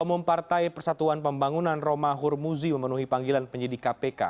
umum partai persatuan pembangunan roma hurmuzi memenuhi panggilan penyidik kpk